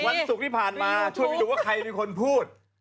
วันศุกร์ที่ผ่านมาช่วยไปดูว่าใครเป็นคนพูด